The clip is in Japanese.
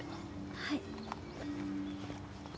はい。